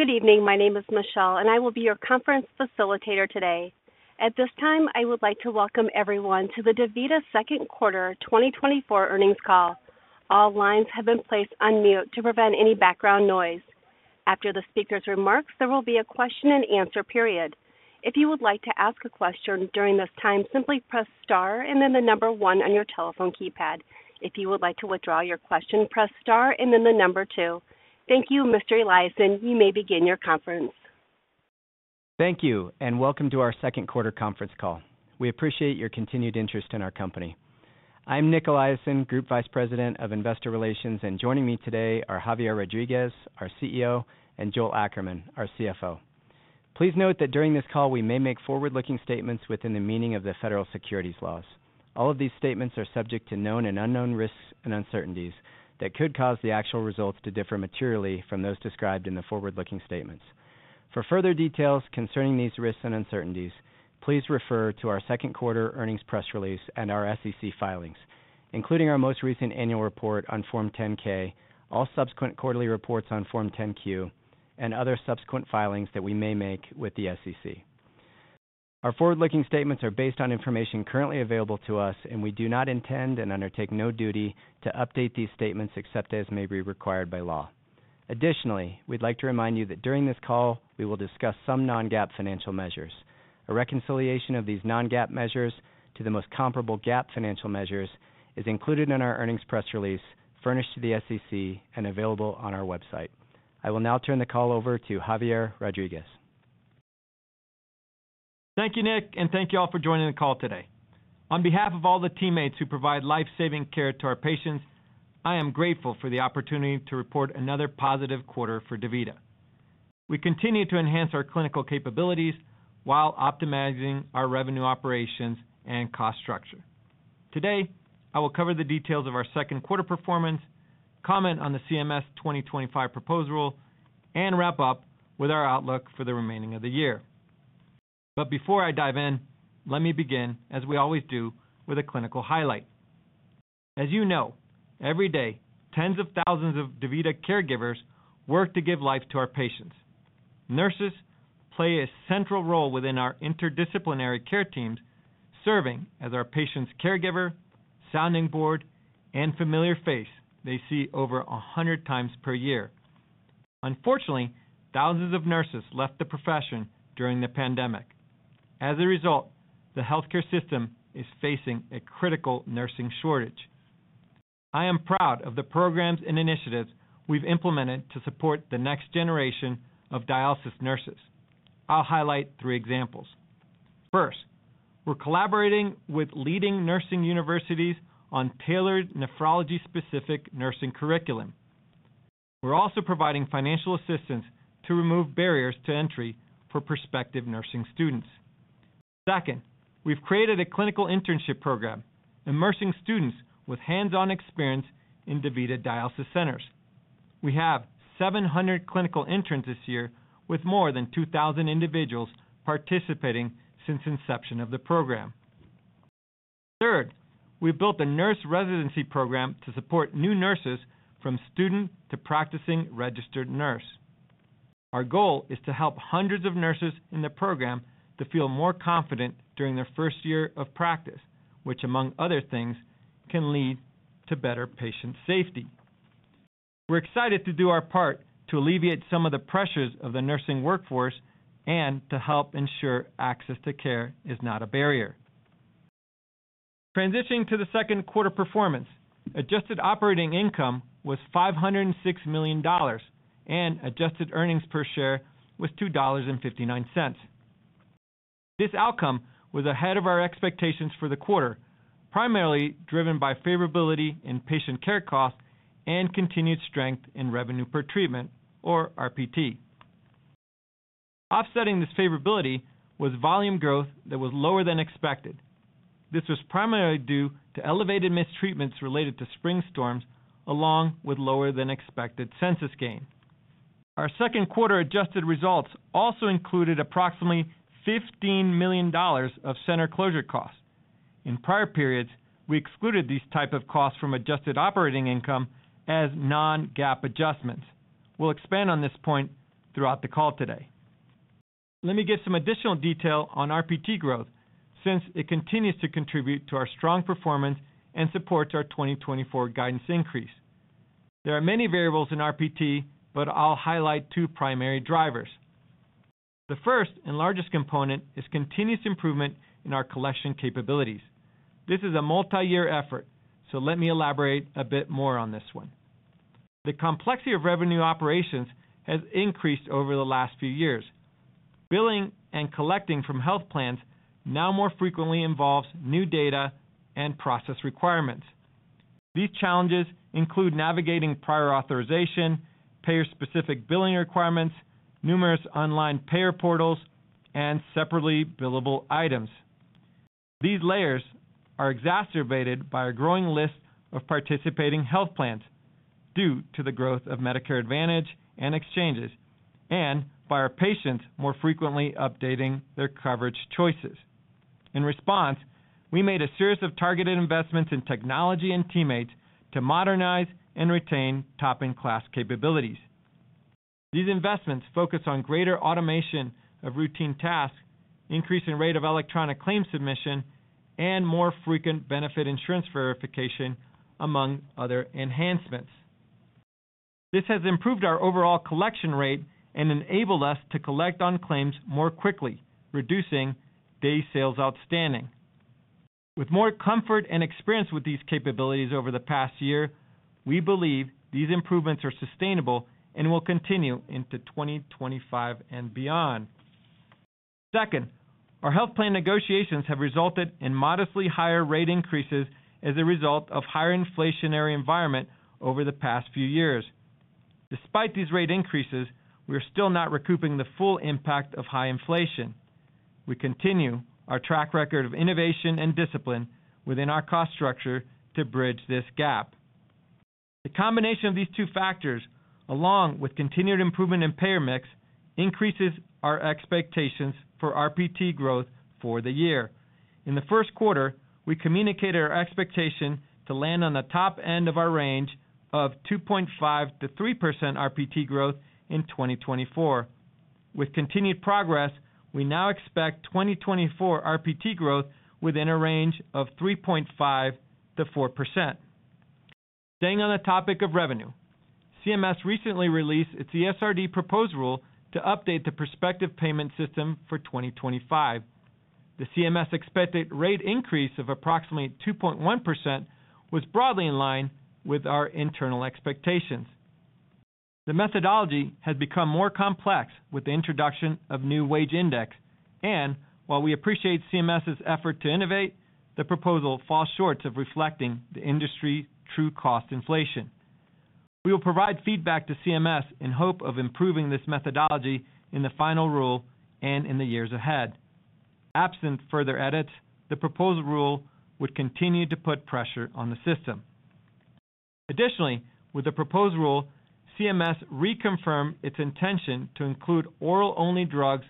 Good evening. My name is Michelle, and I will be your conference facilitator today. At this time, I would like to welcome everyone to the DaVita Second Quarter 2024 Earnings Call. All lines have been placed on mute to prevent any background noise. After the speaker's remarks, there will be a question-and-answer period. If you would like to ask a question during this time, simply press Star and then 1 on your telephone keypad. If you would like to withdraw your question, press Star and then 2. Thank you, Mr. Eliason. You may begin your conference. Thank you, and welcome to our second quarter conference call. We appreciate your continued interest in our company. I'm Nic Eliason, Group Vice President of Investor Relations, and joining me today are Javier Rodriguez, our CEO, and Joel Ackerman, our CFO. Please note that during this call, we may make forward-looking statements within the meaning of the federal securities laws. All of these statements are subject to known and unknown risks and uncertainties that could cause the actual results to differ materially from those described in the forward-looking statements. For further details concerning these risks and uncertainties, please refer to our second quarter earnings press release and our SEC filings, including our most recent annual report on Form 10-K, all subsequent quarterly reports on Form 10-Q, and other subsequent filings that we may make with the SEC. Our forward-looking statements are based on information currently available to us, and we do not intend and undertake no duty to update these statements except as may be required by law. Additionally, we'd like to remind you that during this call, we will discuss some non-GAAP financial measures. A reconciliation of these non-GAAP measures to the most comparable GAAP financial measures is included in our earnings press release, furnished to the SEC, and available on our website. I will now turn the call over to Javier Rodriguez. Thank you, Nick, and thank you all for joining the call today. On behalf of all the teammates who provide life-saving care to our patients, I am grateful for the opportunity to report another positive quarter for DaVita. We continue to enhance our clinical capabilities while optimizing our revenue operations and cost structure. Today, I will cover the details of our second-quarter performance, comment on the CMS 2025 proposed rule, and wrap up with our outlook for the remaining of the year. But before I dive in, let me begin, as we always do, with a clinical highlight. As you know, every day, tens of thousands of DaVita caregivers work to give life to our patients. Nurses play a central role within our interdisciplinary care teams, serving as our patient's caregiver, sounding board, and familiar face they see over 100 times per year. Unfortunately, thousands of nurses left the profession during the pandemic. As a result, the healthcare system is facing a critical nursing shortage. I am proud of the programs and initiatives we've implemented to support the next generation of dialysis nurses. I'll highlight three examples. First, we're collaborating with leading nursing universities on tailored nephrology-specific nursing curriculum. We're also providing financial assistance to remove barriers to entry for prospective nursing students. Second, we've created a clinical internship program, immersing students with hands-on experience in DaVita dialysis centers. We have 700 clinical interns this year, with more than 2,000 individuals participating since inception of the program. Third, we built a nurse residency program to support new nurses from student to practicing registered nurse. Our goal is to help hundreds of nurses in the program to feel more confident during their first year of practice, which, among other things, can lead to better patient safety. We're excited to do our part to alleviate some of the pressures of the nursing workforce and to help ensure access to care is not a barrier. Transitioning to the second quarter performance, adjusted operating income was $506 million, and adjusted earnings per share was $2.59. This outcome was ahead of our expectations for the quarter, primarily driven by favorability in patient care costs and continued strength in revenue per treatment, or RPT. Offsetting this favorability was volume growth that was lower than expected. This was primarily due to elevated missed treatments related to spring storms, along with lower-than-expected census gain. Our second-quarter adjusted results also included approximately $15 million of center closure costs. In prior periods, we excluded these type of costs from adjusted operating income as non-GAAP adjustments. We'll expand on this point throughout the call today. Let me give some additional detail on RPT growth, since it continues to contribute to our strong performance and supports our 2024 guidance increase. There are many variables in RPT, but I'll highlight two primary drivers. The first and largest component is continuous improvement in our collection capabilities. This is a multiyear effort, so let me elaborate a bit more on this one. The complexity of revenue operations has increased over the last few years. Billing and collecting from health plans now more frequently involves new data and process requirements. These challenges include navigating prior authorization, payer-specific billing requirements, numerous online payer portals, and separately billable items. These layers are exacerbated by a growing list of participating health plans due to the growth of Medicare Advantage and exchanges, and by our patients more frequently updating their coverage choices. In response, we made a series of targeted investments in technology and teammates to modernize and retain top-in-class capabilities. These investments focus on greater automation of routine tasks, increase in rate of electronic claims submission, and more frequent benefit insurance verification, among other enhancements. This has improved our overall collection rate and enabled us to collect on claims more quickly, reducing day sales outstanding. With more comfort and experience with these capabilities over the past year, we believe these improvements are sustainable and will continue into 2025 and beyond. Second, our health plan negotiations have resulted in modestly higher rate increases as a result of higher inflationary environment over the past few years. Despite these rate increases, we are still not recouping the full impact of high inflation. We continue our track record of innovation and discipline within our cost structure to bridge this gap. The combination of these two factors, along with continued improvement in payer mix, increases our expectations for RPT growth for the year. In the first quarter, we communicated our expectation to land on the top end of our range of 2.5%-3% RPT growth in 2024. With continued progress, we now expect 2024 RPT growth within a range of 3.5%-4%. Staying on the topic of revenue, CMS recently released its ESRD proposed rule to update the prospective payment system for 2025. The CMS expected rate increase of approximately 2.1% was broadly in line with our internal expectations. The methodology has become more complex with the introduction of new wage index, and while we appreciate CMS's effort to innovate, the proposal falls short of reflecting the industry's true cost inflation. We will provide feedback to CMS in hope of improving this methodology in the final rule and in the years ahead. Absent further edits, the proposed rule would continue to put pressure on the system. Additionally, with the proposed rule, CMS reconfirmed its intention to include oral-only drugs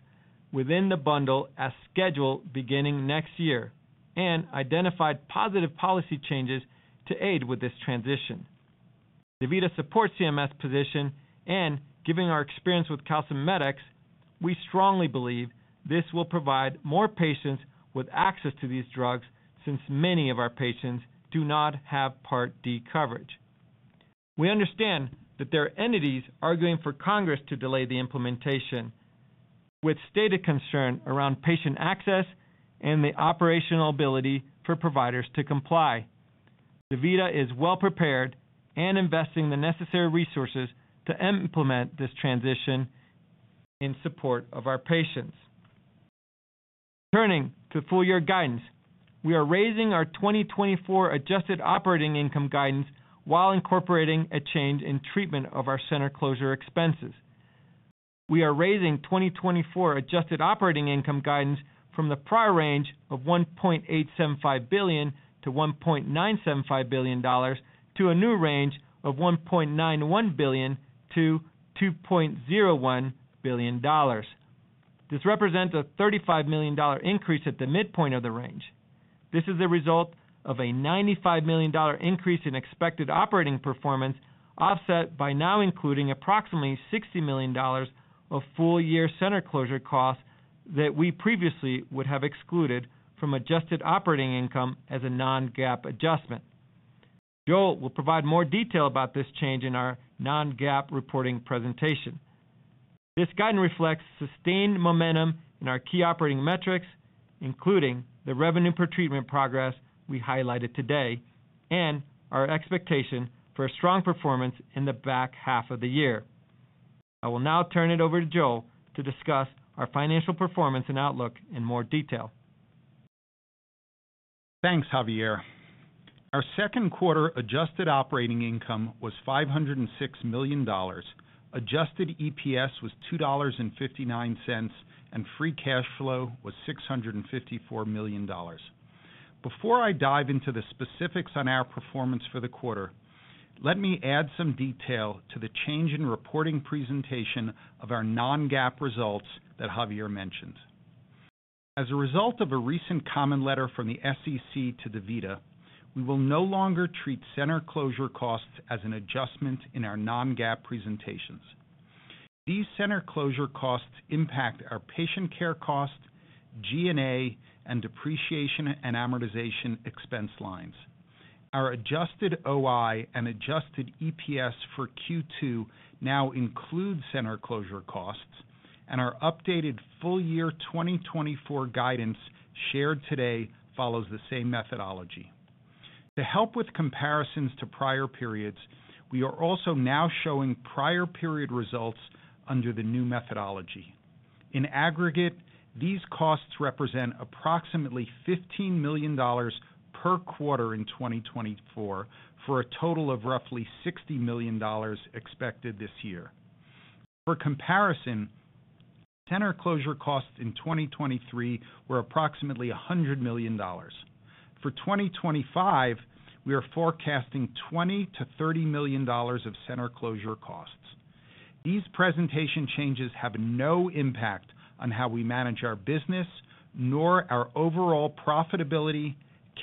within the bundle as scheduled, beginning next year, and identified positive policy changes to aid with this transition. DaVita supports CMS's position, and giving our experience with Calcimimetics, we strongly believe this will provide more patients with access to these drugs, since many of our patients do not have Part D coverage. We understand that there are entities arguing for Congress to delay the implementation, with stated concern around patient access and the operational ability for providers to comply. DaVita is well prepared and investing the necessary resources to implement this transition in support of our patients. Turning to full year guidance, we are raising our 2024 adjusted operating income guidance while incorporating a change in treatment of our center closure expenses. We are raising 2024 adjusted operating income guidance from the prior range of $1.875 billion-$1.975 billion, to a new range of $1.91 billion-$2.01 billion. This represents a $35 million increase at the midpoint of the range. This is a result of a $95 million increase in expected operating performance, offset by now including approximately $60 million of full year center closure costs that we previously would have excluded from adjusted operating income as a non-GAAP adjustment. Joel will provide more detail about this change in our non-GAAP reporting presentation. This guidance reflects sustained momentum in our key operating metrics, including the revenue per treatment progress we highlighted today, and our expectation for a strong performance in the back half of the year. I will now turn it over to Joel to discuss our financial performance and outlook in more detail. Thanks, Javier. Our second quarter adjusted operating income was $506 million. Adjusted EPS was $2.59, and free cash flow was $654 million. Before I dive into the specifics on our performance for the quarter, let me add some detail to the change in reporting presentation of our non-GAAP results that Javier mentioned. As a result of a recent common letter from the SEC to DaVita, we will no longer treat center closure costs as an adjustment in our non-GAAP presentations. These center closure costs impact our patient care costs, G&A, and depreciation and amortization expense lines. Our adjusted OI and adjusted EPS for Q2 now include center closure costs, and our updated full year 2024 guidance shared today follows the same methodology. To help with comparisons to prior periods, we are also now showing prior period results under the new methodology. In aggregate, these costs represent approximately $15 million per quarter in 2024, for a total of roughly $60 million expected this year. For comparison, center closure costs in 2023 were approximately $100 million. For 2025, we are forecasting $20 million-$30 million of center closure costs. These presentation changes have no impact on how we manage our business, nor our overall profitability,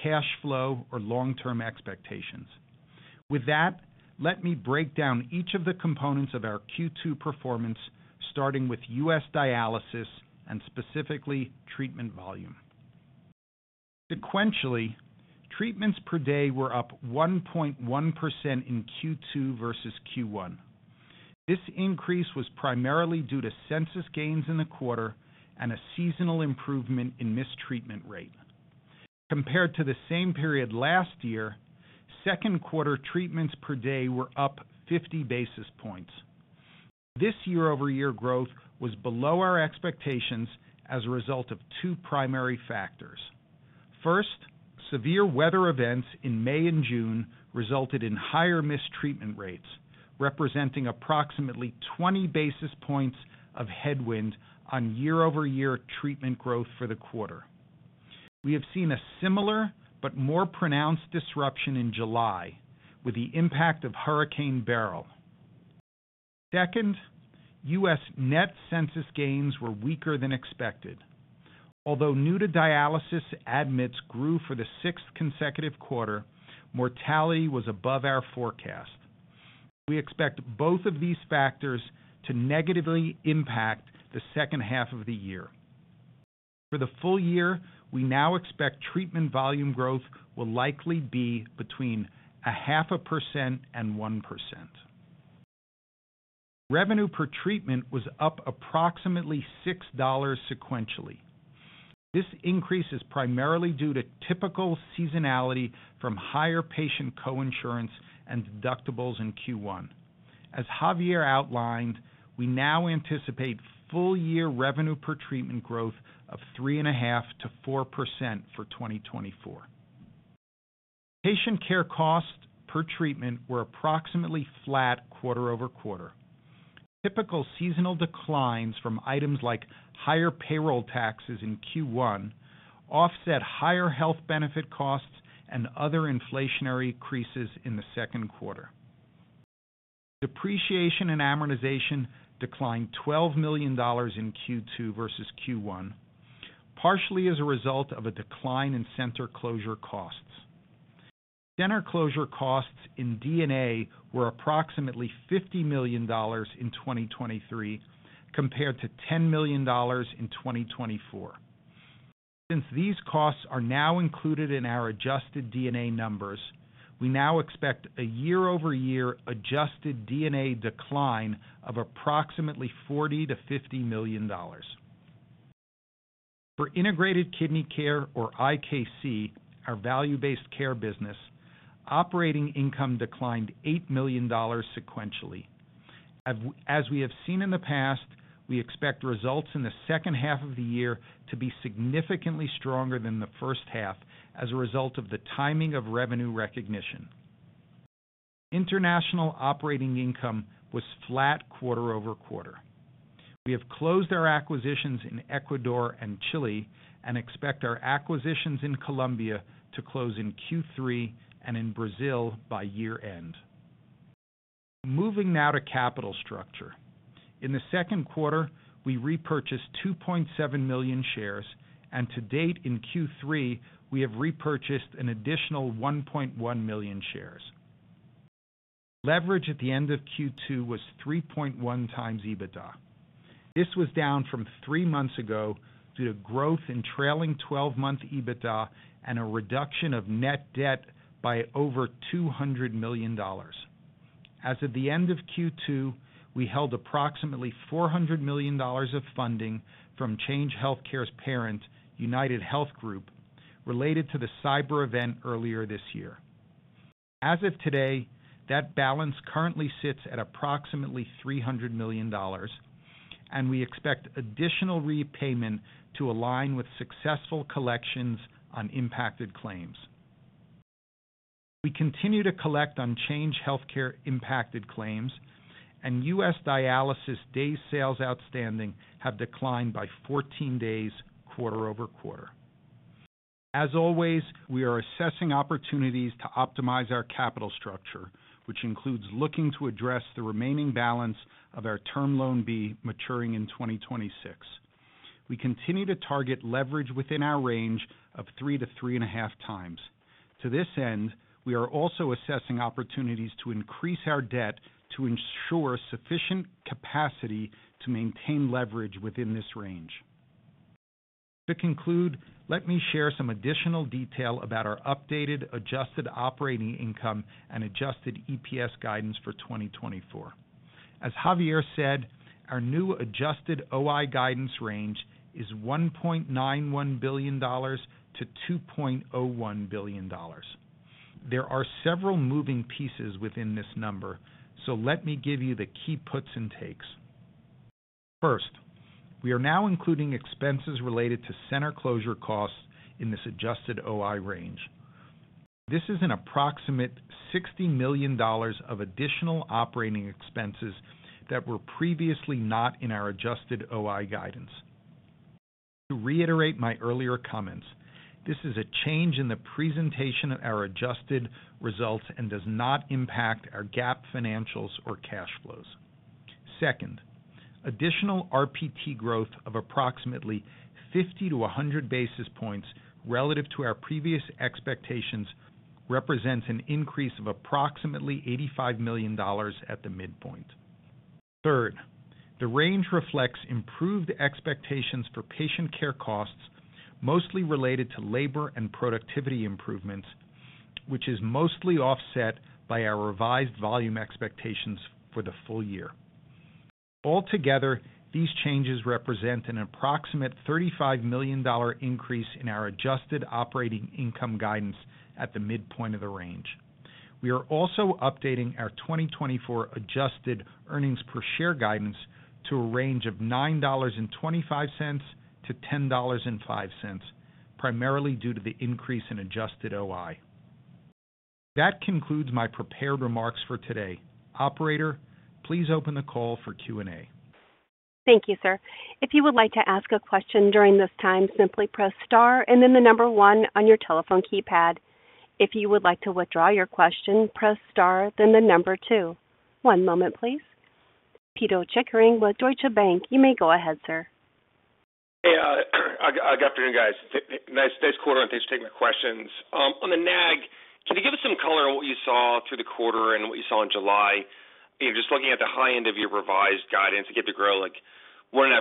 cash flow, or long-term expectations. With that, let me break down each of the components of our Q2 performance, starting with US dialysis and specifically treatment volume. Sequentially, treatments per day were up 1.1% in Q2 versus Q1. This increase was primarily due to census gains in the quarter and a seasonal improvement in missed treatment rate. Compared to the same period last year, second quarter treatments per day were up 50 basis points. This year-over-year growth was below our expectations as a result of two primary factors. First, severe weather events in May and June resulted in higher mistreatment rates, representing approximately 20 basis points of headwind on year-over-year treatment growth for the quarter. We have seen a similar but more pronounced disruption in July with the impact of Hurricane Beryl. Second, U.S. net census gains were weaker than expected. Although new to dialysis, admits grew for the sixth consecutive quarter, mortality was above our forecast. We expect both of these factors to negatively impact the second half of the year. For the full year, we now expect treatment volume growth will likely be between 0.5% and 1%. Revenue per treatment was up approximately $6 sequentially. This increase is primarily due to typical seasonality from higher patient coinsurance and deductibles in Q1. As Javier outlined, we now anticipate full-year revenue per treatment growth of 3.5%-4% for 2024. Patient care costs per treatment were approximately flat quarter-over-quarter. Typical seasonal declines from items like higher payroll taxes in Q1 offset higher health benefit costs and other inflationary increases in the second quarter. Depreciation and amortization declined $12 million in Q2 versus Q1, partially as a result of a decline in center closure costs. Center closure costs in D&A were approximately $50 million in 2023, compared to $10 million in 2024. Since these costs are now included in our adjusted D&A numbers, we now expect a year-over-year adjusted D&A decline of approximately $40 million-$50 million. For Integrated Kidney Care, or IKC, our value-based care business, operating income declined $8 million sequentially. As we have seen in the past, we expect results in the second half of the year to be significantly stronger than the first half as a result of the timing of revenue recognition. International operating income was flat quarter-over-quarter. We have closed our acquisitions in Ecuador and Chile and expect our acquisitions in Colombia to close in Q3 and in Brazil by year-end. Moving now to capital structure. In the second quarter, we repurchased 2.7 million shares, and to date, in Q3, we have repurchased an additional 1.1 million shares. Leverage at the end of Q2 was 3.1x EBITDA. This was down from three months ago due to growth in trailing-twelve-month EBITDA and a reduction of net debt by over $200 million. As of the end of Q2, we held approximately $400 million of funding from Change Healthcare's parent, UnitedHealth Group, related to the cyber event earlier this year. As of today, that balance currently sits at approximately $300 million, and we expect additional repayment to align with successful collections on impacted claims. We continue to collect on Change Healthcare impacted claims, and U.S. dialysis day sales outstanding have declined by 14 days quarter-over-quarter. As always, we are assessing opportunities to optimize our capital structure, which includes looking to address the remaining balance of our Term Loan B, maturing in 2026. We continue to target leverage within our range of 3-3.5 times. To this end, we are also assessing opportunities to increase our debt to ensure sufficient capacity to maintain leverage within this range. To conclude, let me share some additional detail about our updated adjusted operating income and adjusted EPS guidance for 2024. As Javier said, our new adjusted OI guidance range is $1.91 billion-$2.01 billion. There are several moving pieces within this number, so let me give you the key puts and takes. First, we are now including expenses related to center closure costs in this adjusted OI range. This is an approximate $60 million of additional operating expenses that were previously not in our adjusted OI guidance. ...to reiterate my earlier comments, this is a change in the presentation of our adjusted results and does not impact our GAAP financials or cash flows. Second, additional RPT growth of approximately 50 to 100 basis points relative to our previous expectations, represents an increase of approximately $85 million at the midpoint. Third, the range reflects improved expectations for patient care costs, mostly related to labor and productivity improvements, which is mostly offset by our revised volume expectations for the full year. Altogether, these changes represent an approximate $35 million increase in our adjusted operating income guidance at the midpoint of the range. We are also updating our 2024 adjusted earnings per share guidance to a range of $9.25-$10.05, primarily due to the increase in adjusted OI. That concludes my prepared remarks for today. Operator, please open the call for Q&A. Thank you, sir. If you would like to ask a question during this time, simply press Star and then the number one on your telephone keypad. If you would like to withdraw your question, press Star, then the number two. One moment, please. Pito Chickering with Deutsche Bank. You may go ahead, sir. Hey, good afternoon, guys. Nice, nice quarter, and thanks for taking my questions. On the NAG, can you give us some color on what you saw through the quarter and what you saw in July? You know, just looking at the high end of your revised guidance to get the growth, like, 1.5%,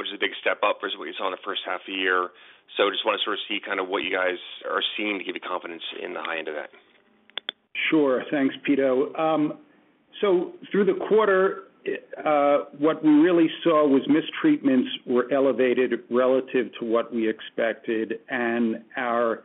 which is a big step up versus what you saw in the first half of the year. So just want to sort of see kind of what you guys are seeing to give you confidence in the high end of that. Sure. Thanks, Pito. So through the quarter, what we really saw was missed treatments were elevated relative to what we expected, and our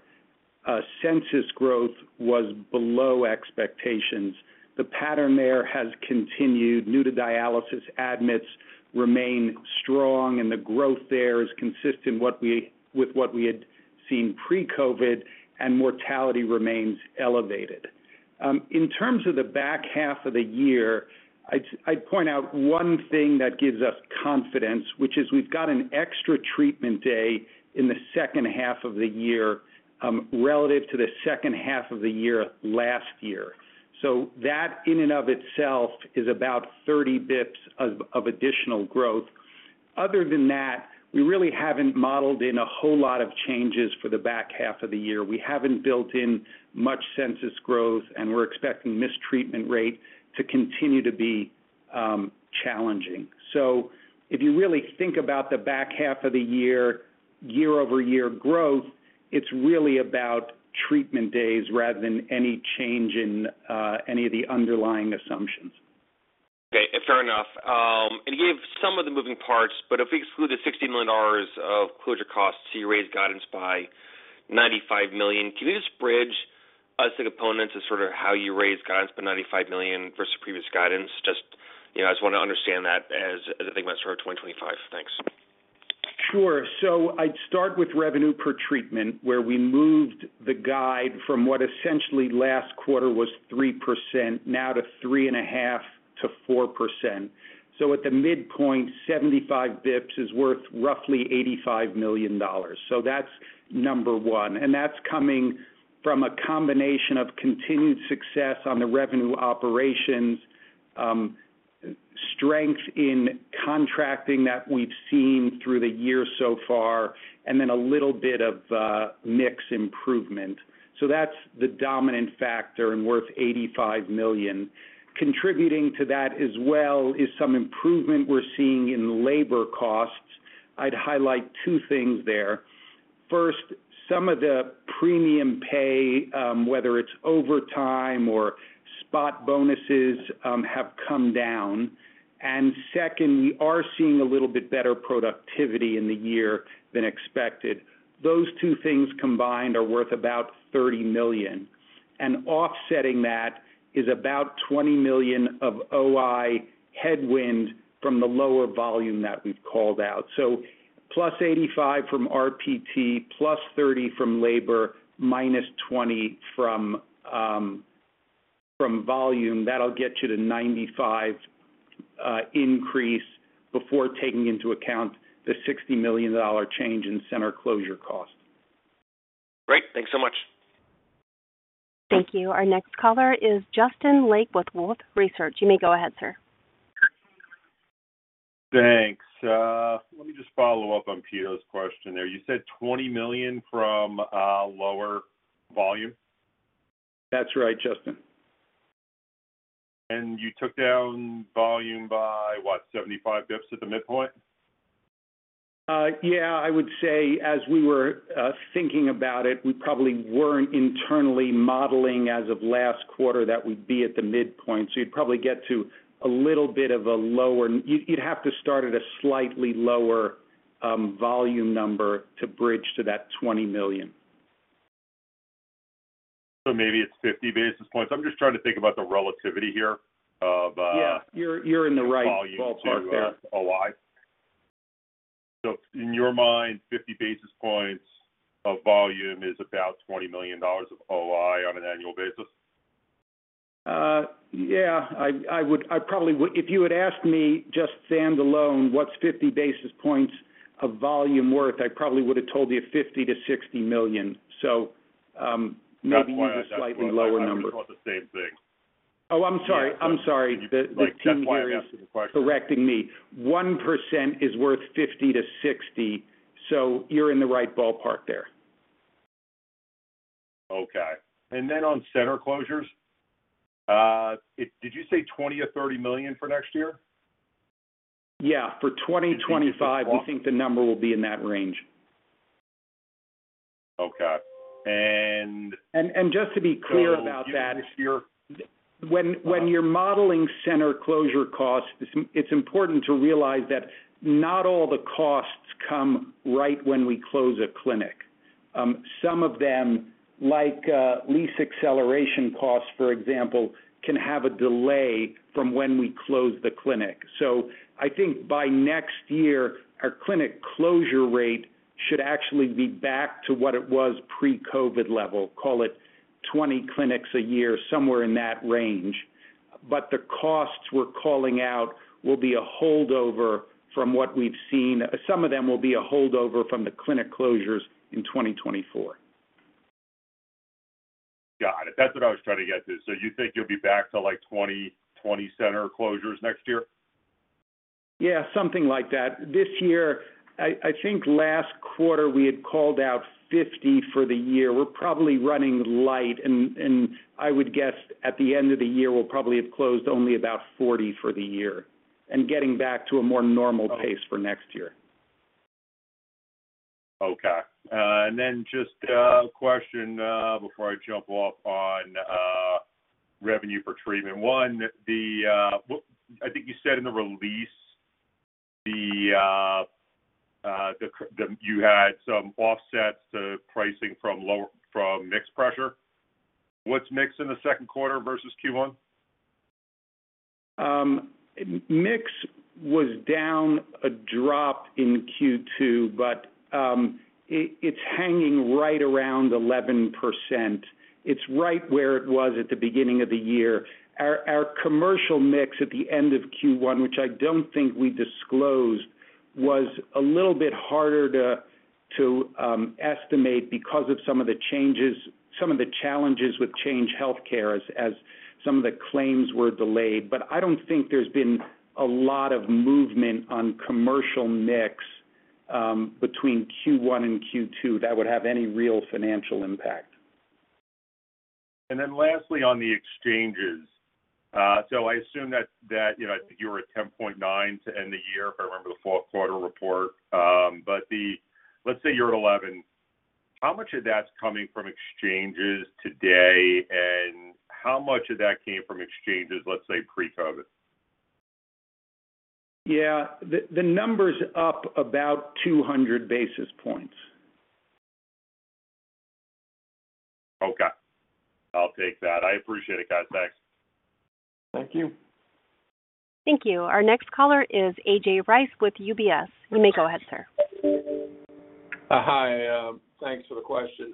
census growth was below expectations. The pattern there has continued. New to dialysis admits remain strong, and the growth there is consistent with what we had seen pre-COVID, and mortality remains elevated. In terms of the back half of the year, I'd, I'd point out one thing that gives us confidence, which is we've got an extra treatment day in the second half of the year, relative to the second half of the year last year. So that in and of itself is about 30 BPS of additional growth. Other than that, we really haven't modeled in a whole lot of changes for the back half of the year. We haven't built in much census growth, and we're expecting mistreatment rate to continue to be challenging. So if you really think about the back half of the year, year-over-year growth, it's really about treatment days rather than any change in any of the underlying assumptions. Okay, fair enough. And you gave some of the moving parts, but if we exclude the $60 million of closure costs, you raised guidance by $95 million. Can you just bridge us the components as sort of how you raised guidance by $95 million versus previous guidance? Just, you know, I just want to understand that as I think about sort of 2025. Thanks. Sure. So I'd start with revenue per treatment, where we moved the guide from what essentially last quarter was 3%, now to 3.5%-4%. So at the midpoint, 75 basis points is worth roughly $85 million. So that's number one, and that's coming from a combination of continued success on the revenue operations, strength in contracting that we've seen through the year so far, and then a little bit of mix improvement. So that's the dominant factor and worth $85 million. Contributing to that as well, is some improvement we're seeing in labor costs. I'd highlight two things there. First, some of the premium pay, whether it's overtime or spot bonuses, have come down, and second, we are seeing a little bit better productivity in the year than expected. Those two things combined are worth about $30 million, and offsetting that is about $20 million of OI headwind from the lower volume that we've called out. So plus 85 from RPT, plus 30 from labor, minus 20 from volume, that'll get you to 95 increase before taking into account the $60 million change in center closure costs. Great. Thanks so much. Thank you. Our next caller is Justin Lake with Wolfe Research. You may go ahead, sir. Thanks. Let me just follow up on Pito's question there. You said $20 million from lower volume? That's right, Justin. You took down volume by, what? 75 BPS at the midpoint? Yeah, I would say as we were thinking about it, we probably weren't internally modeling as of last quarter, that we'd be at the midpoint. So you'd probably get to a little bit of a lower, you'd have to start at a slightly lower volume number to bridge to that $20 million. Maybe it's 50 basis points. I'm just trying to think about the relativity here of, Yeah, you're in the right ballpark there. Volume to OI. So in your mind, 50 basis points of volume is about $20 million of OI on an annual basis? Yeah, I probably would—if you had asked me just stand alone, what's 50 basis points of volume worth, I probably would have told you $50 million-$60 million. So, maybe it's a slightly lower number. That's why I thought the same thing. Oh, I'm sorry. I'm sorry. The team here is correcting me. 1% is worth 50-60, so you're in the right ballpark there. Okay. And then on center closures, did you say $20 million or $30 million for next year? Yeah, for 2025, we think the number will be in that range. Okay. And- Just to be clear about that, when you're modeling center closure costs, it's important to realize that not all the costs come right when we close a clinic. Some of them, like lease acceleration costs, for example, can have a delay from when we close the clinic. So I think by next year, our clinic closure rate should actually be back to what it was pre-COVID level, call it 20 clinics a year, somewhere in that range. But the costs we're calling out will be a holdover from what we've seen. Some of them will be a holdover from the clinic closures in 2024. Got it. That's what I was trying to get to. So you think you'll be back to, like, 20-20 center closures next year? Yeah, something like that. This year, I think last quarter we had called out 50 for the year. We're probably running light, and I would guess at the end of the year, we'll probably have closed only about 40 for the year and getting back to a more normal pace for next year. Okay. And then just a question before I jump off on revenue per treatment. One, what I think you said in the release, you had some offsets to pricing from mix pressure. What's mix in the second quarter versus Q1? Mix was down a drop in Q2, but it's hanging right around 11%. It's right where it was at the beginning of the year. Our commercial mix at the end of Q1, which I don't think we disclosed, was a little bit harder to estimate because of some of the changes, some of the challenges with Change Healthcare as some of the claims were delayed. But I don't think there's been a lot of movement on commercial mix between Q1 and Q2 that would have any real financial impact. And then lastly, on the exchanges. So I assume that, you know, I think you were at 10.9 to end the year, if I remember the fourth quarter report, but... Let's say you're at 11. How much of that's coming from exchanges today, and how much of that came from exchanges, let's say, pre-COVID? Yeah, the number's up about 200 basis points. Okay. I'll take that. I appreciate it, guys. Thanks. Thank you. Thank you. Our next caller is A.J. Rice with UBS. You may go ahead, sir. Hi, thanks for the question.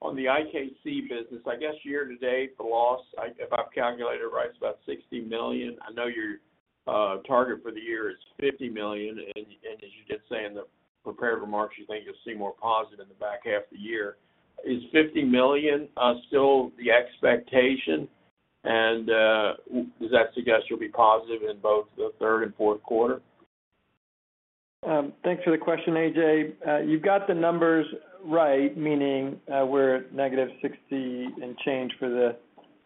On the IKC business, I guess year to date, the loss, if I've calculated it right, it's about $60 million. I know your target for the year is $50 million, and as you just said in the prepared remarks, you think you'll see more positive in the back half of the year. Is $50 million still the expectation? And, does that suggest you'll be positive in both the third and fourth quarter? Thanks for the question, AJ. You've got the numbers right, meaning, we're at negative 60 and change for the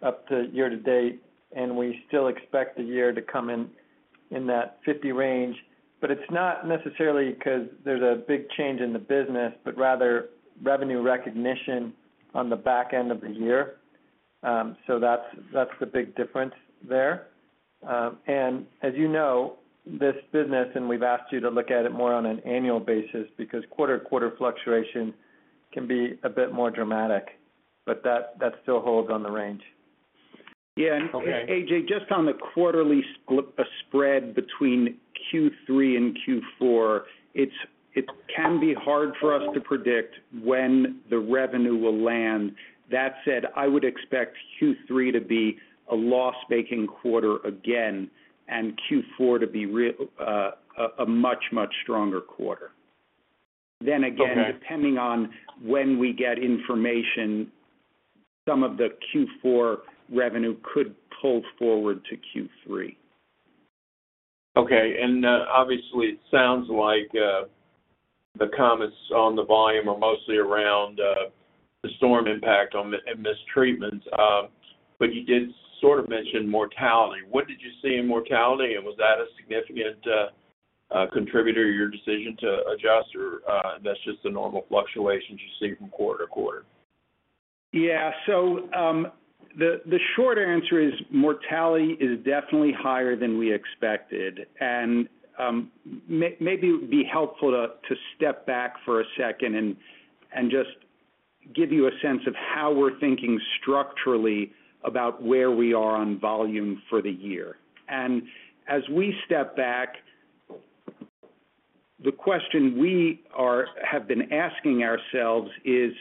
up to year to date, and we still expect the year to come in, in that 50 range. But it's not necessarily because there's a big change in the business, but rather revenue recognition on the back end of the year. So that's, that's the big difference there. And as you know, this business, and we've asked you to look at it more on an annual basis because quarter to quarter fluctuation can be a bit more dramatic, but that, that still holds on the range. Yeah, and AJ, just on the quarterly spread between Q3 and Q4, it can be hard for us to predict when the revenue will land. That said, I would expect Q3 to be a loss-making quarter again, and Q4 to be a much, much stronger quarter. Okay. Then again, depending on when we get information, some of the Q4 revenue could pull forward to Q3. Okay. And, obviously, it sounds like the comments on the volume are mostly around the storm impact on members and treatments, but you did sort of mention mortality. What did you see in mortality, and was that a significant contributor to your decision to adjust, or that's just the normal fluctuations you see from quarter to quarter? Yeah. So, the short answer is mortality is definitely higher than we expected, and, maybe it would be helpful to step back for a second and just give you a sense of how we're thinking structurally about where we are on volume for the year. And as we step back. The question we have been asking ourselves is,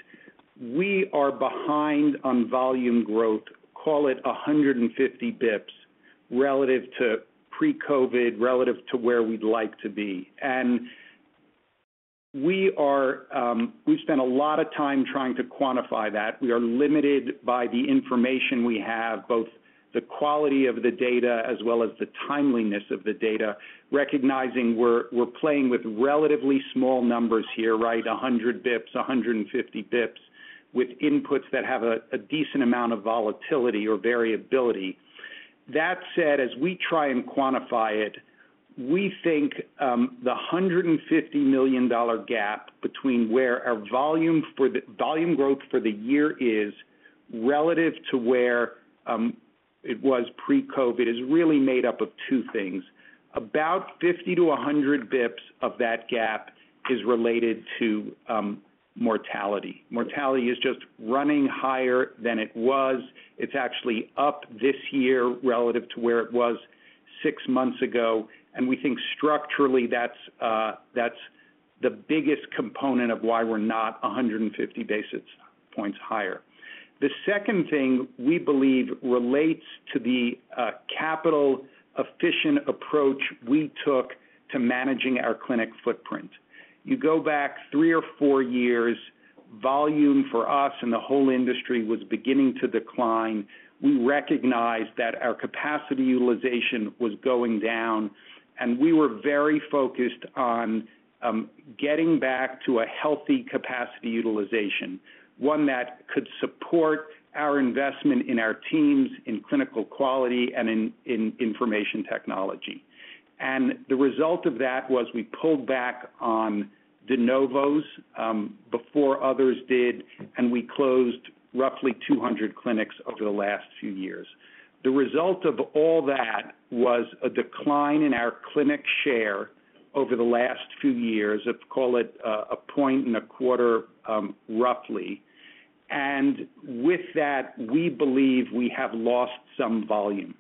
we are behind on volume growth, call it 150 BPS, relative to pre-COVID, relative to where we'd like to be. And we've spent a lot of time trying to quantify that. We are limited by the information we have, both the quality of the data as well as the timeliness of the data, recognizing we're playing with relatively small numbers here, right? 100 basis points, 150 basis points, with inputs that have a decent amount of volatility or variability. That said, as we try and quantify it, we think, the $150 million gap between where our volume for the volume growth for the year is relative to where, it was pre-COVID, is really made up of two things. About 50 to 100 basis points of that gap is related to, mortality. Mortality is just running higher than it was. It's actually up this year relative to where it was six months ago, and we think structurally, that's, that's the biggest component of why we're not 150 basis points higher. The second thing we believe relates to the, capital-efficient approach we took to managing our clinic footprint. You go back 3 or 4 years, volume for us and the whole industry was beginning to decline. We recognized that our capacity utilization was going down, and we were very focused on getting back to a healthy capacity utilization, one that could support our investment in our teams, in clinical quality, and in information technology. The result of that was we pulled back on De Novos before others did, and we closed roughly 200 clinics over the last few years. The result of all that was a decline in our clinic share over the last few years, of call it a point and a quarter, roughly. With that, we believe we have lost some volume.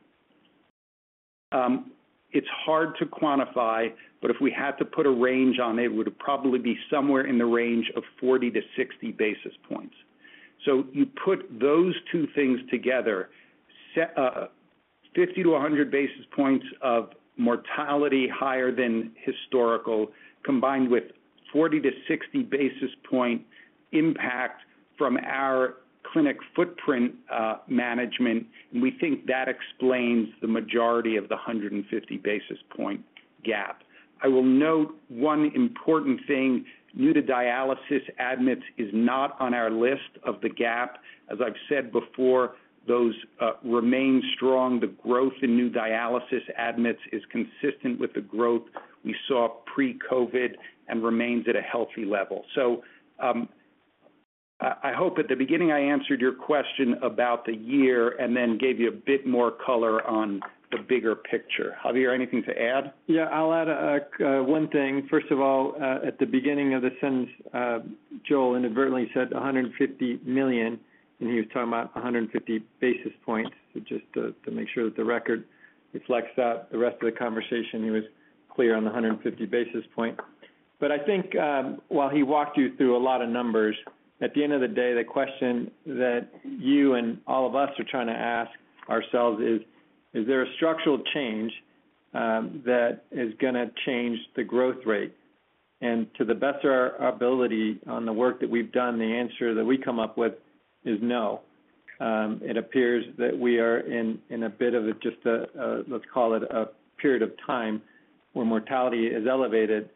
It's hard to quantify, but if we had to put a range on it, it would probably be somewhere in the range of 40-60 basis points. So you put those two things together, say, 50-100 basis points of mortality higher than historical, combined with 40-60 basis point impact from our clinic footprint management, and we think that explains the majority of the 150 basis point gap. I will note one important thing, new to dialysis admits is not on our list of the gap. As I've said before, those remain strong. The growth in new dialysis admits is consistent with the growth we saw pre-COVID and remains at a healthy level. So, I hope at the beginning I answered your question about the year and then gave you a bit more color on the bigger picture. Javier, anything to add? Yeah, I'll add one thing. First of all, at the beginning of the sentence, Joel inadvertently said 150 million, and he was talking about 150 basis points. So just to make sure that the record reflects that. The rest of the conversation, he was clear on the 150 basis point. But I think, while he walked you through a lot of numbers, at the end of the day, the question that you and all of us are trying to ask ourselves is, is there a structural change, that is gonna change the growth rate? And to the best of our ability on the work that we've done, the answer that we come up with is no. It appears that we are in a bit of a, let's call it, a period of time where mortality is elevated,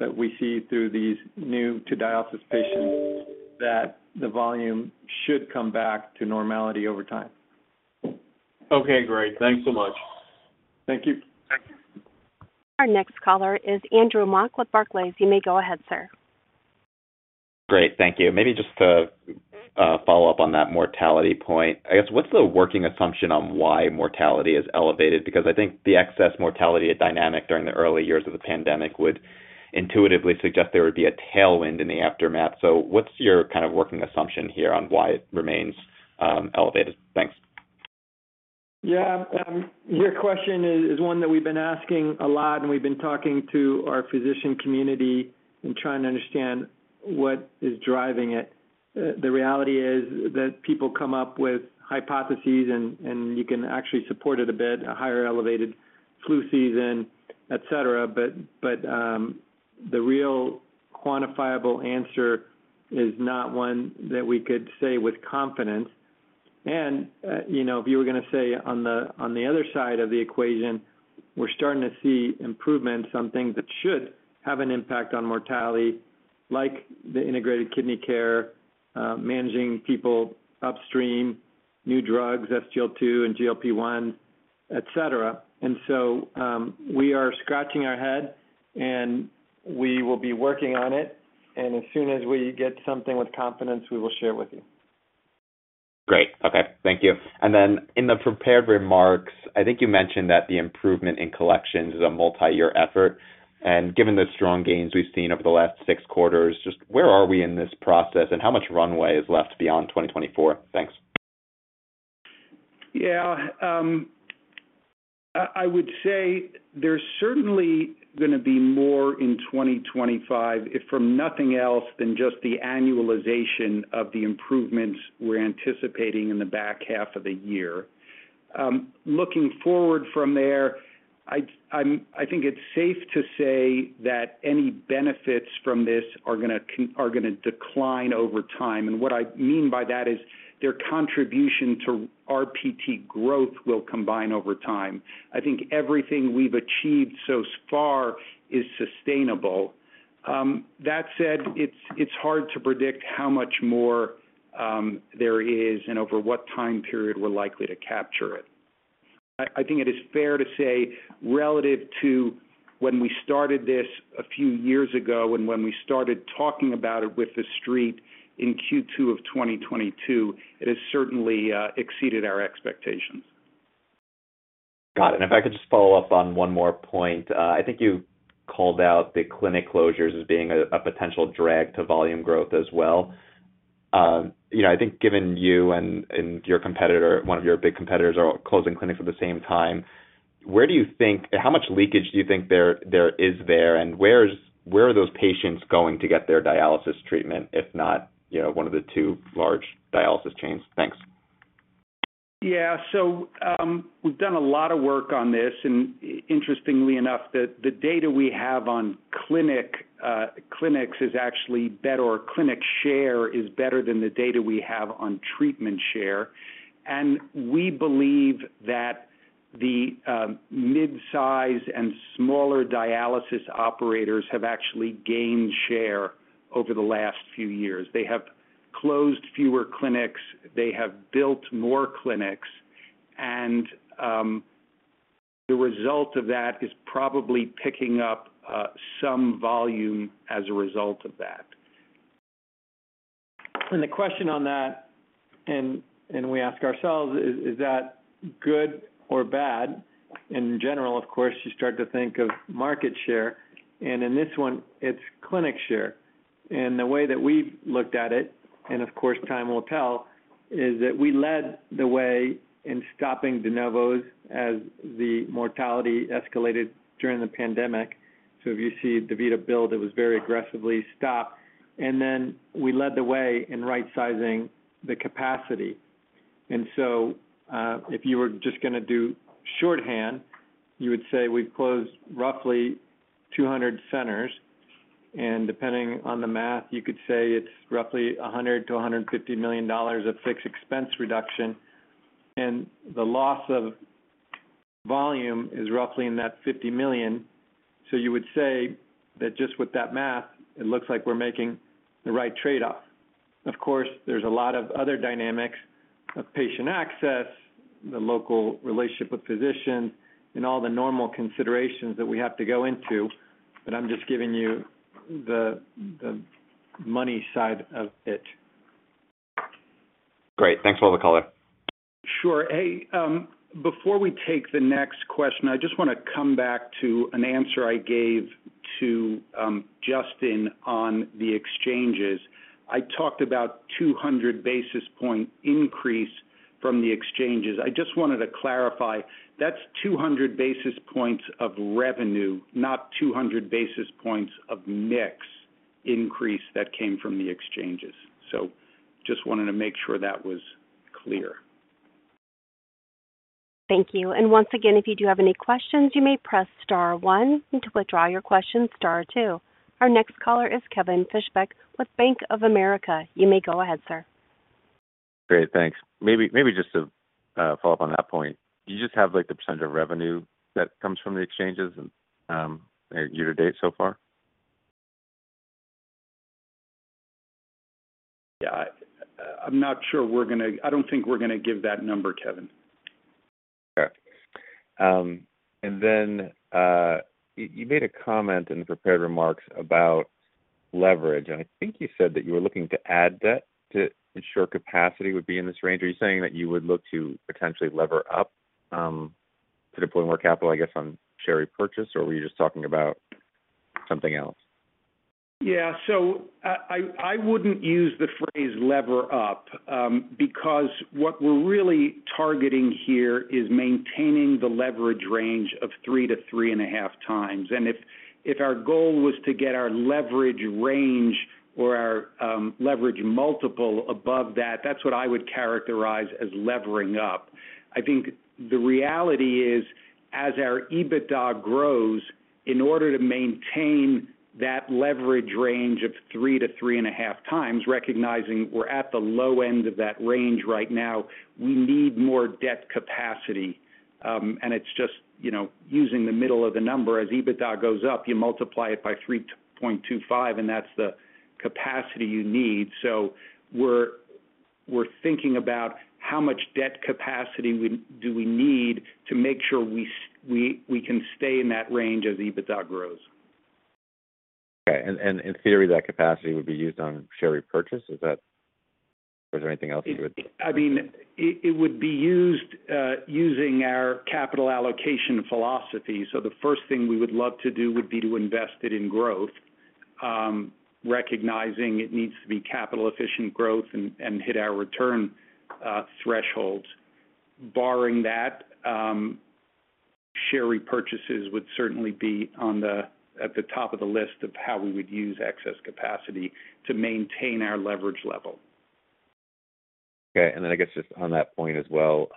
that we see through these new-to-dialysis patients, that the volume should come back to normality over time. Okay, great. Thanks so much. Thank you. Thank you. Our next caller is Andrew Mok with Barclays. You may go ahead, sir. Great, thank you. Maybe just to follow up on that mortality point. I guess, what's the working assumption on why mortality is elevated? Because I think the excess mortality dynamic during the early years of the pandemic would intuitively suggest there would be a tailwind in the aftermath. So what's your kind of working assumption here on why it remains elevated? Thanks. Yeah, your question is one that we've been asking a lot, and we've been talking to our physician community and trying to understand what is driving it. The reality is that people come up with hypotheses and you can actually support it a bit, a higher elevated flu season, et cetera. But the real quantifiable answer is not one that we could say with confidence. And you know, if you were gonna say on the other side of the equation, we're starting to see improvements on things that should have an impact on mortality, like the Integrated Kidney Care, managing people upstream, new drugs, SGLT2 and GLP-1, et cetera. And so, we are scratching our head, and we will be working on it, and as soon as we get something with confidence, we will share with you. Great. Okay. Thank you. And then in the prepared remarks, I think you mentioned that the improvement in collections is a multi-year effort, and given the strong gains we've seen over the last six quarters, just where are we in this process and how much runway is left beyond 2024? Thanks. Yeah, I would say there's certainly gonna be more in 2025, if from nothing else, than just the annualization of the improvements we're anticipating in the back half of the year. Looking forward from there, I think it's safe to say that any benefits from this are gonna decline over time. And what I mean by that is their contribution to RPT growth will decline over time. I think everything we've achieved so far is sustainable. That said, it's hard to predict how much more there is and over what time period we're likely to capture it. I think it is fair to say relative to when we started this a few years ago and when we started talking about it with The Street in Q2 of 2022, it has certainly exceeded our expectations. Got it. If I could just follow up on one more point. I think you called out the clinic closures as being a potential drag to volume growth as well. You know, I think given you and your competitor, one of your big competitors are closing clinics at the same time, where do you think, how much leakage do you think there is? And where are those patients going to get their dialysis treatment, if not, you know, one of the two large dialysis chains? Thanks. Yeah. So, we've done a lot of work on this, and interestingly enough, the data we have on clinics is actually better, or clinic share is better than the data we have on treatment share. And we believe that the midsize and smaller dialysis operators have actually gained share over the last few years. They have closed fewer clinics, they have built more clinics, and the result of that is probably picking up some volume as a result of that. And the question on that we ask ourselves is: Is that good or bad? In general, of course, you start to think of market share, and in this one, it's clinic share. And the way that we've looked at it, and of course, time will tell, is that we led the way in stopping de novos as the mortality escalated during the pandemic. So if you see DaVita build, it was very aggressively stopped, and then we led the way in right-sizing the capacity. And so, if you were just gonna do shorthand, you would say we've closed roughly 200 centers, and depending on the math, you could say it's roughly $100 million-$150 million of fixed expense reduction, and the loss of volume is roughly in that $50 million. So you would say that just with that math, it looks like we're making the right trade-off. Of course, there's a lot of other dynamics of patient access, the local relationship with physicians, and all the normal considerations that we have to go into, but I'm just giving you the money side of it. Great. Thanks for all the color. Sure. Hey, before we take the next question, I just wanna come back to an answer I gave to Justin on the exchanges. I talked about 200 basis point increase from the exchanges. I just wanted to clarify, that's 200 basis points of revenue, not 200 basis points of mix increase that came from the exchanges. So just wanted to make sure that was clear. Thank you. Once again, if you do have any questions, you may press star one, and to withdraw your questions, star two. Our next caller is Kevin Fishbeck with Bank of America. You may go ahead, sir. Great, thanks. Maybe, maybe just to follow up on that point. Do you just have, like, the percentage of revenue that comes from the exchanges and year to date so far? Yeah. I'm not sure we're gonna. I don't think we're gonna give that number, Kevin. Okay. And then, you made a comment in the prepared remarks about leverage, and I think you said that you were looking to add debt to ensure capacity would be in this range. Are you saying that you would look to potentially lever up, to deploy more capital, I guess, on share repurchase, or were you just talking about something else? Yeah. So I wouldn't use the phrase lever up, because what we're really targeting here is maintaining the leverage range of 3-3.5 times. And if our goal was to get our leverage range or our leverage multiple above that, that's what I would characterize as levering up. I think the reality is, as our EBITDA grows, in order to maintain that leverage range of 3-3.5 times, recognizing we're at the low end of that range right now, we need more debt capacity. And it's just, you know, using the middle of the number. As EBITDA goes up, you multiply it by 3.25, and that's the capacity you need. So we're thinking about how much debt capacity we need to make sure we can stay in that range as EBITDA grows. Okay. And in theory, that capacity would be used on share repurchase. Is that... Or is there anything else you would- I mean, it would be used using our capital allocation philosophy. So the first thing we would love to do would be to invest it in growth. Recognizing it needs to be capital-efficient growth and hit our return thresholds. Barring that, share repurchases would certainly be at the top of the list of how we would use excess capacity to maintain our leverage level. Okay, and then I guess just on that point as well,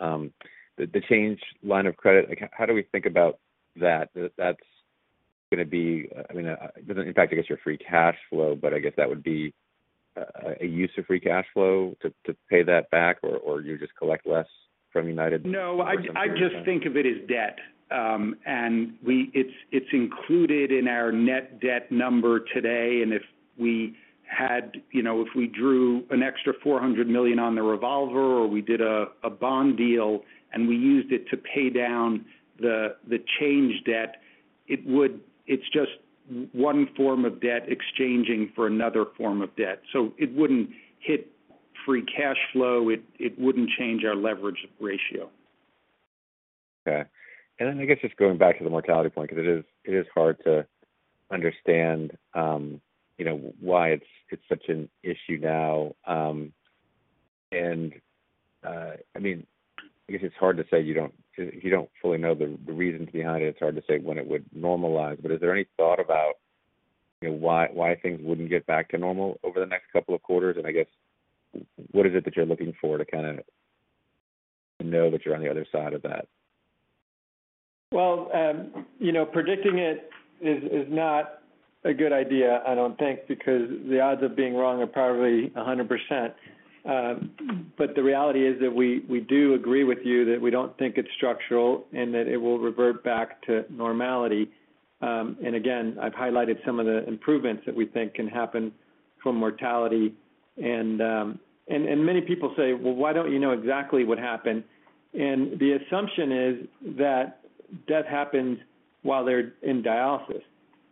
the Change line of credit, like, how do we think about that? That's gonna be, I mean, it doesn't impact, I guess, your free cash flow, but I guess that would be a use of free cash flow to pay that back, or you just collect less from United? No, I just, I just think of it as debt, and it's included in our net debt number today, and if we had, you know, if we drew an extra $400 million on the revolver, or we did a bond deal, and we used it to pay down the Change debt, it would. It's just one form of debt exchanging for another form of debt. So it wouldn't hit free cash flow. It wouldn't change our leverage ratio. Okay. And then I guess just going back to the mortality point, because it is, it is hard to understand, you know, why it's, it's such an issue now. And, I mean, I guess it's hard to say you don't, you don't fully know the, the reasons behind it. It's hard to say when it would normalize, but is there any thought about, you know, why, why things wouldn't get back to normal over the next couple of quarters? And I guess, what is it that you're looking for to kind of know that you're on the other side of that? Well, you know, predicting it is not a good idea, I don't think, because the odds of being wrong are probably 100%. But the reality is that we do agree with you, that we don't think it's structural and that it will revert back to normality. And again, I've highlighted some of the improvements that we think can happen from mortality. And many people say, "Well, why don't you know exactly what happened?" And the assumption is that death happens while they're in dialysis,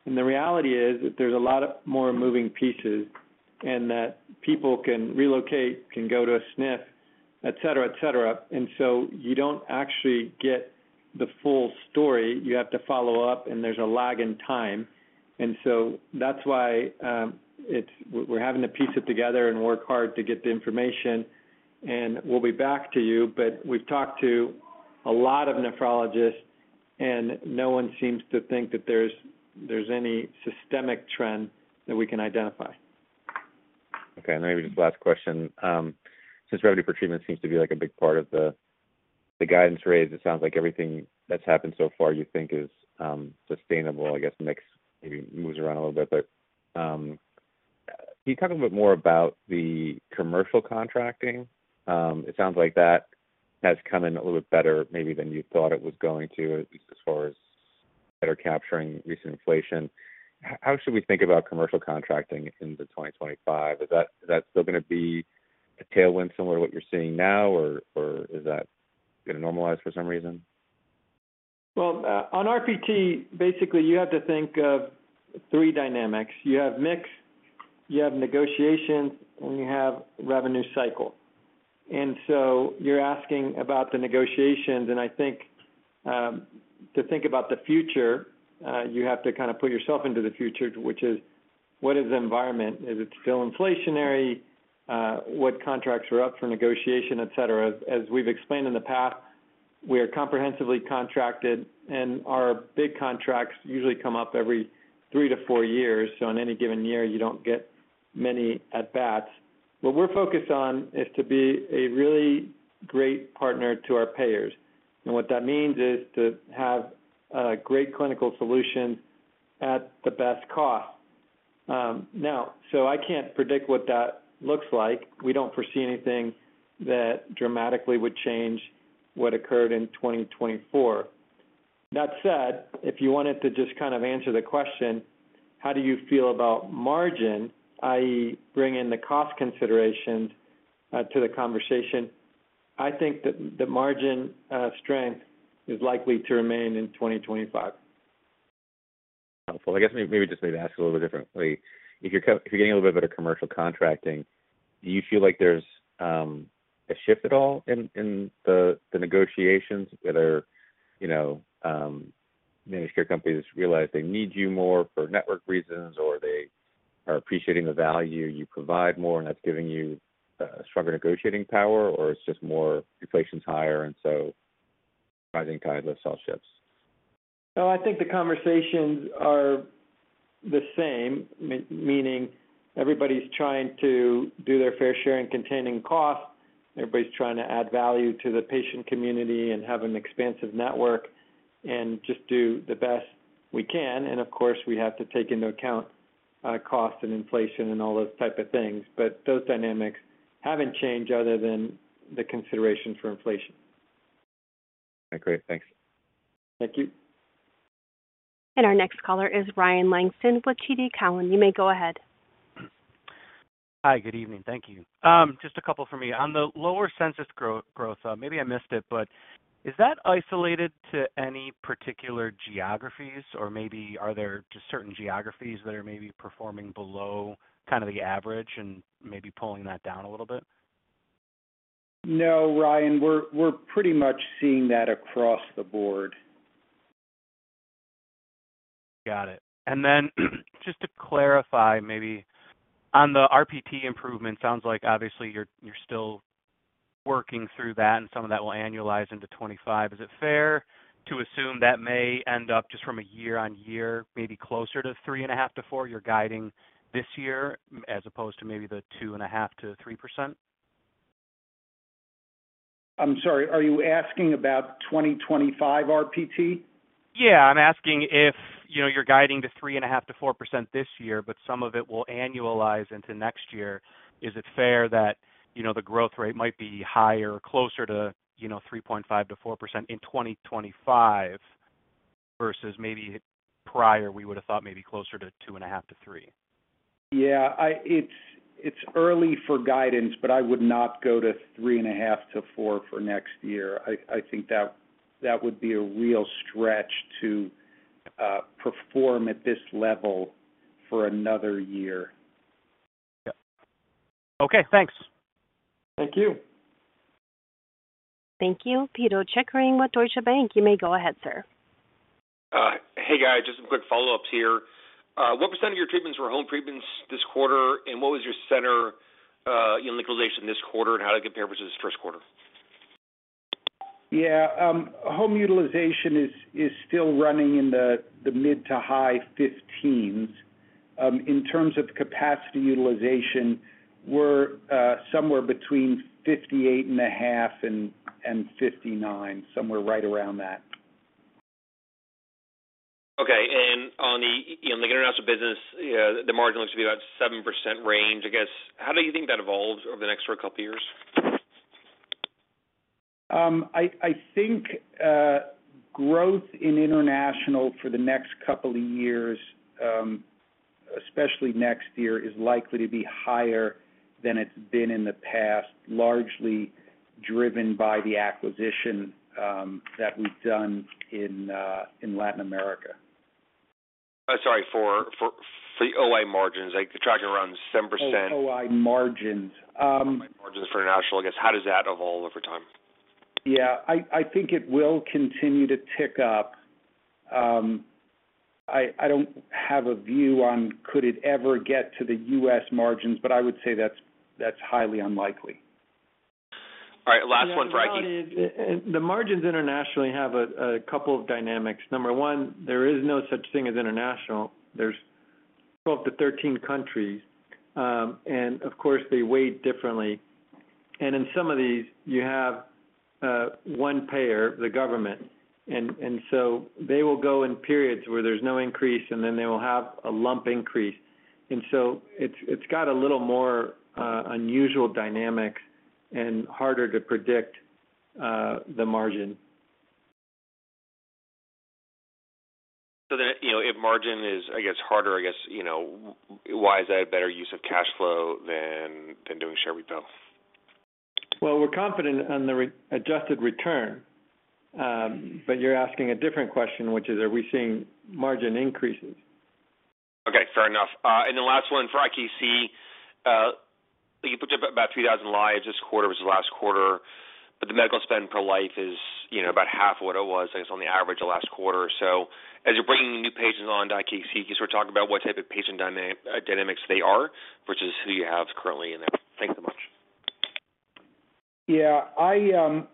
and the reality is that there's a lot more moving pieces and that people can relocate, can go to a SNF, et cetera, et cetera. And so you don't actually get the full story. You have to follow up, and there's a lag in time. And so that's why we're having to piece it together and work hard to get the information, and we'll be back to you. But we've talked to a lot of nephrologists, and no one seems to think that there's any systemic trend that we can identify. Okay, and maybe just last question. Since Revenue Per Treatment seems to be, like, a big part of the guidance raise, it sounds like everything that's happened so far, you think is sustainable. I guess, mix maybe moves around a little bit. But, can you talk a bit more about the commercial contracting? It sounds like that has come in a little bit better, maybe than you thought it was going to, at least as far as better capturing recent inflation. How should we think about commercial contracting into 2025? Is that, is that still gonna be a tailwind similar to what you're seeing now, or, or is that gonna normalize for some reason? Well, on RPT, basically, you have to think of three dynamics. You have mix, you have negotiations, and you have revenue cycle. And so you're asking about the negotiations, and I think, to think about the future, you have to kind of put yourself into the future, which is: What is the environment? Is it still inflationary? What contracts are up for negotiation, et cetera? As we've explained in the past, we are comprehensively contracted, and our big contracts usually come up every three to four years, so in any given year, you don't get many at bats. What we're focused on is to be a really great partner to our payers, and what that means is to have a great clinical solution at the best cost. Now, so I can't predict what that looks like. We don't foresee anything that dramatically would change what occurred in 2024. That said, if you wanted to just kind of answer the question, how do you feel about margin, i.e., bring in the cost considerations, to the conversation, I think that the margin strength is likely to remain in 2025. I guess maybe, maybe just maybe ask a little bit differently. If you're getting a little bit of commercial contracting, do you feel like there's a shift at all in the negotiations? Whether, you know, managed care companies realize they need you more for network reasons, or they are appreciating the value you provide more, and that's giving you stronger negotiating power, or it's just more inflation's higher, and so rising tide lifts all ships? No, I think the conversations are the same, I mean everybody's trying to do their fair share in containing costs. Everybody's trying to add value to the patient community and have an expansive network and just do the best we can. And of course, we have to take into account, cost and inflation and all those type of things. But those dynamics haven't changed other than the considerations for inflation. Great. Thanks. Thank you. Our next caller is Ryan Langston with TD Cowen. You may go ahead. Hi, good evening. Thank you. Just a couple from me. On the lower census growth, maybe I missed it, but is that isolated to any particular geographies, or maybe are there just certain geographies that are maybe performing below kind of the average and maybe pulling that down a little bit? No, Ryan, we're pretty much seeing that across the board. Got it. And then just to clarify, maybe on the RPT improvement, sounds like obviously you're, you're still working through that, and some of that will annualize into 25. Is it fair to assume that may end up just from a year-on-year, maybe closer to 3.5-4%, you're guiding this year, as opposed to maybe the 2.5-3%? I'm sorry, are you asking about 2025 RPT? Yeah, I'm asking if, you know, you're guiding to 3.5%-4% this year, but some of it will annualize into next year. Is it fair that, you know, the growth rate might be higher, closer to, you know, 3.5%-4% in 2025, versus maybe prior, we would have thought maybe closer to 2.5-3? Yeah, it's early for guidance, but I would not go to 3.5 to 4 for next year. I think that would be a real stretch to perform at this level for another year. Yeah. Okay, thanks. Thank you. Thank you. Peter Chickering with Deutsche Bank. You may go ahead, sir. Hey, guys, just some quick follow-ups here. What % of your treatments were home treatments this quarter? And what was your center utilization this quarter, and how did it compare versus first quarter? Yeah, home utilization is still running in the mid- to high-15s. In terms of capacity utilization, we're somewhere between 58.5 and 59, somewhere right around that. Okay. And on the, in the international business, the margin looks to be about 7% range, I guess. How do you think that evolves over the next or couple years? I think growth in international for the next couple of years, especially next year, is likely to be higher than it's been in the past, largely driven by the acquisition that we've done in Latin America. Sorry, for the OI margins, like, they're tracking around 7%. Oh, OI margins, Margins for international, I guess, how does that evolve over time? Yeah, I think it will continue to tick up. I don't have a view on could it ever get to the U.S. margins, but I would say that's highly unlikely. All right, last one for IKC. Yeah, the margins internationally have a couple of dynamics. Number one, there is no such thing as international. There's 12-13 countries, and of course, they weigh differently. And in some of these, you have one payer, the government, and so they will go in periods where there's no increase, and then they will have a lump increase. And so it's got a little more unusual dynamics and harder to predict the margin. So then, you know, if margin is, I guess, harder, I guess, you know, why is that a better use of cash flow than doing share repurchases? Well, we're confident on the adjusted return, but you're asking a different question, which is, are we seeing margin increases? Okay, fair enough. And the last one for IKC, you put about 3,000 lives this quarter versus last quarter, but the medical spend per life is, you know, about half of what it was, I guess, on the average of last quarter. So as you're bringing new patients on to IKC, can you sort of talk about what type of patient dynamics they are versus who you have currently in there? Thanks so much. Yeah, I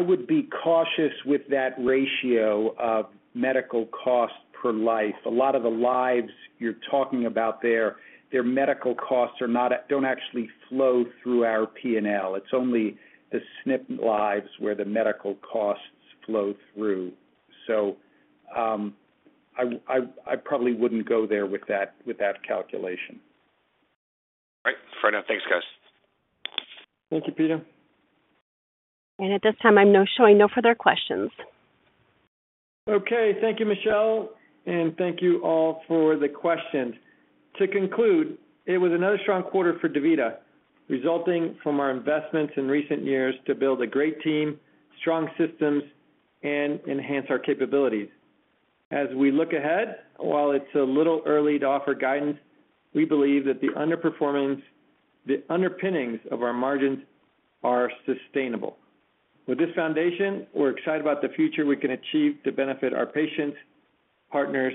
would be cautious with that ratio of medical costs per life. A lot of the lives you're talking about there, their medical costs are not—don't actually flow through our P&L. So, I probably wouldn't go there with that, with that calculation. All right. Fair enough. Thanks, guys. Thank you, Peter. At this time, I'm now showing no further questions. Okay. Thank you, Michelle, and thank you all for the questions. To conclude, it was another strong quarter for DaVita, resulting from our investments in recent years to build a great team, strong systems, and enhance our capabilities. As we look ahead, while it's a little early to offer guidance, we believe that the underpinnings of our margins are sustainable. With this foundation, we're excited about the future we can achieve to benefit our patients, partners,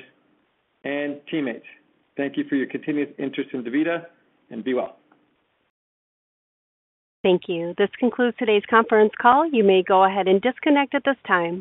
and teammates. Thank you for your continued interest in DaVita, and be well. Thank you. This concludes today's conference call. You may go ahead and disconnect at this time.